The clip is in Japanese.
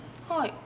はい。